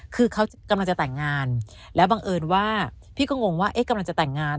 คือเขากำลังจะแต่งงานแล้วบังเอิญว่าพี่ก็งงว่าเอ๊ะกำลังจะแต่งงาน